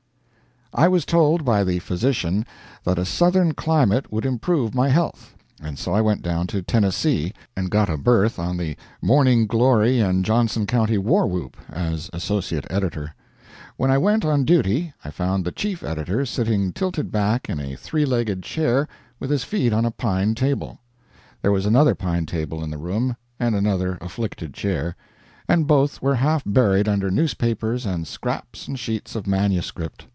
I was told by the physician that a Southern climate would improve my health, and so I went down to Tennessee, and got a berth on the Morning Glory and Johnson County War Whoop as associate editor. When I went on duty I found the chief editor sitting tilted back in a three legged chair with his feet on a pine table. There was another pine table in the room and another afflicted chair, and both were half buried under newspapers and scraps and sheets of manuscript.